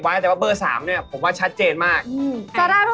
ก็บอกแล้วบอกแล้วว่าจะคิดเหมือนจะแบบ